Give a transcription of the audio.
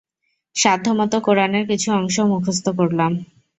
সাধ্যমত কুরআনের কিছু অংশও মুখস্থ করলাম।